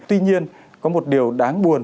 tuy nhiên có một điều đáng buồn